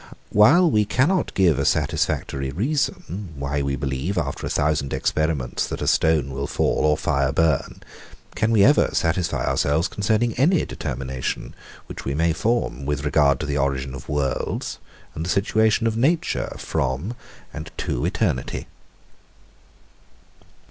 While we cannot give a satisfactory reason, why we believe, after a thousand experiments, that a stone will fall, or fire burn; can we ever satisfy ourselves concerning any determination, which we may form, with regard to the origin of worlds, and the situation of nature, from, and to eternity?